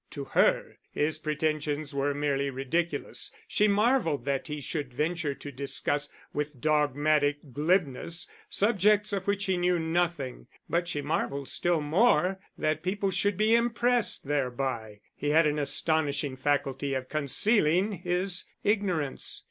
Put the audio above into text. To her his pretensions were merely ridiculous; she marvelled that he should venture to discuss, with dogmatic glibness, subjects of which he knew nothing; but she marvelled still more that people should be impressed thereby: he had an astonishing faculty of concealing his ignorance.